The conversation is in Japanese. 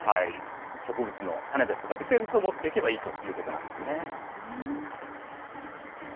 植物の種ですとか微生物を持っていけばいいということなんですね。